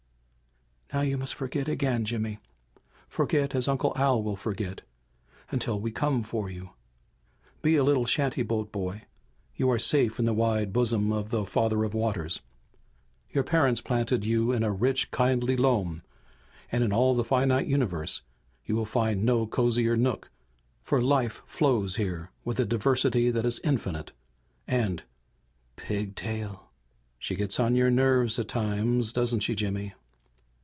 "Now you must forget again, Jimmy! Forget as Uncle Al will forget until we come for you. Be a little shantyboat boy! You are safe on the wide bosom of the Father of Waters. Your parents planted you in a rich and kindly loam, and in all the finite universes you will find no cosier nook, for life flows here with a diversity that is infinite and Pigtail! She gets on your nerves at times, doesn't she, Jimmy?"